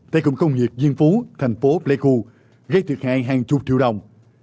tại công công nghiệp diên phú thành phố pleiku gây thiệt hại hàng chục triệu đồng